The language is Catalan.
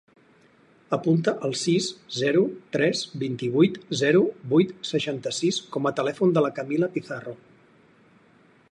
Apunta el sis, zero, tres, vint-i-vuit, zero, vuit, seixanta-sis com a telèfon de la Camila Pizarro.